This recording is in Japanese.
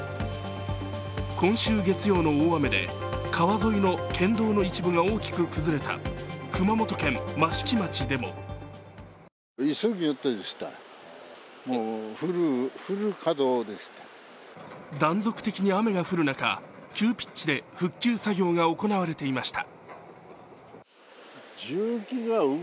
今週月曜の大雨で川沿いの県道の一部が大きく崩れた熊本県益城町でも断続的に雨が降る中急ピッチで復旧作業が行われていました。